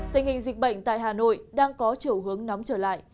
tình hình dịch bệnh tại hà nội đang có chiều hướng nóng trở lại